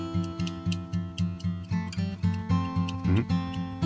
うん？